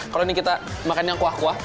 kalau ini kita makan yang kuah kuah